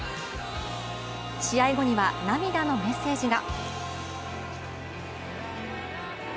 試合後には涙のメッセージが。